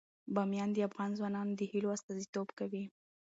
بامیان د افغان ځوانانو د هیلو استازیتوب کوي.